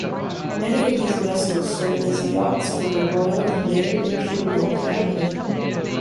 Many of these vessels served as yachts for the royal and later imperial family.